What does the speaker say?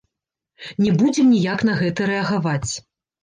Не будзем ніяк на гэта рэагаваць.